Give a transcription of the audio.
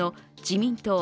自民党・